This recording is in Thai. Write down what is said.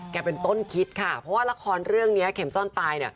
เป็นต้นคิดค่ะเพราะว่าละครเรื่องนี้เข็มซ่อนตาย